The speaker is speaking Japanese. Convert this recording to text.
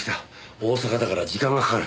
大阪だから時間がかかる。